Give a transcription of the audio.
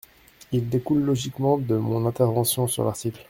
Il découle logiquement de mon intervention sur l’article.